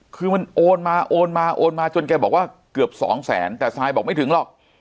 คือมันโอนมาโอนมาโอนมาจนแกบอกว่าเกือบสองแสนแต่ซายบอกไม่ถึงหรอก